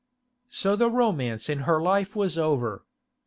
So the romance in her life was over.